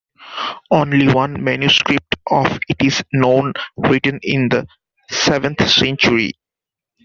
Only one manuscript of it is known, written in the seventh century.